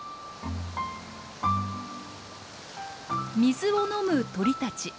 水を飲む鳥たち。